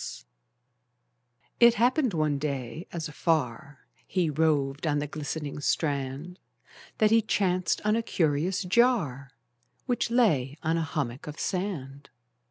It happened one day, as afar He roved on the glistening strand, That he chanced on a curious jar, Which lay on a hummock of sand.